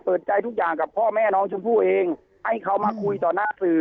ใจทุกอย่างกับพ่อแม่น้องชมพู่เองให้เขามาคุยต่อหน้าสื่อ